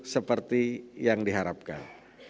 seperti yang diharapkan